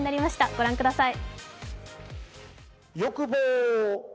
ご覧ください。